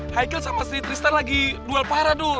heikel sama sri tristan lagi duel parah tuh